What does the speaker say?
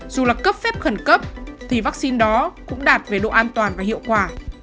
dù là cấp phép khẩn cấp thì vắc xin đó cũng đạt về độ an toàn và hiệu quả